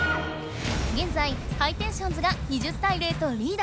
げんざいハイテンションズが２０たい０とリード！